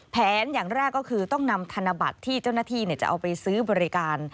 อย่างแรกก็คือต้องนำธนบัตรที่เจ้าหน้าที่จะเอาไปซื้อบริการ